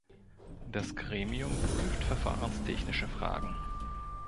Das Gremium prüft verfahrenstechnische Fragen.